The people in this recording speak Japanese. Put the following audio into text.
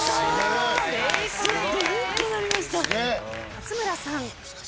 勝村さん。